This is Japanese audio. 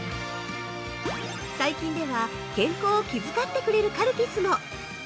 最近では、健康を気遣ってくれるカルピスも。